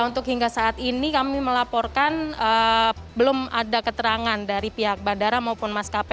untuk hingga saat ini kami melaporkan belum ada keterangan dari pihak bandara maupun maskapai